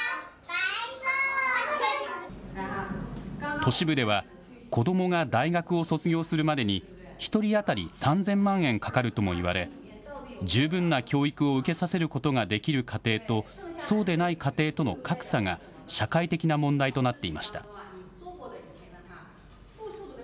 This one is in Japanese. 都市部では、子どもが大学を卒業するまでに、１人当たり３０００万円かかるともいわれ、十分な教育を受けさせることができる家庭と、そうでない家庭との格差が社会的な問題となっていました。